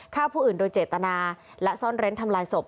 ฆ่าผู้อื่นโดยเจตนาและซ่อนเร้นทำลายศพ